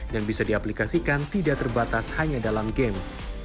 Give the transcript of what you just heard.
dan bisa diaplikasikan tidak terbatas hanya dalam game